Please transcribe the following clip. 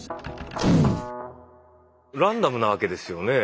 ランダムなわけですよね。